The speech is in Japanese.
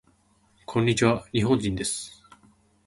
こんにちわ。日本人です。